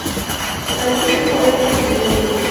د الوتکې خواړه ډېر خوندور وو.